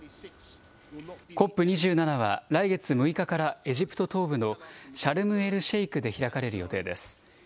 ＣＯＰ２７は来月６日からエジプト東部のシャルムエルシェイクで開かれる予定です。